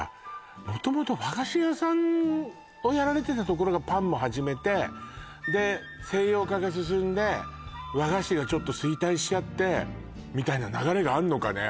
元々和菓子屋さんをやられてたところがパンも始めてで西洋化が進んで和菓子がちょっと衰退しちゃってみたいな流れがあんのかね